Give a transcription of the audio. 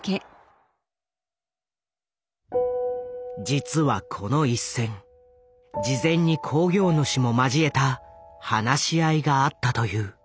実はこの一戦事前に興行主も交えた話し合いがあったという。